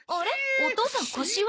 お父さん腰は？